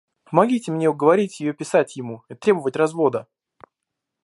Помогите мне уговорить ее писать ему и требовать развода!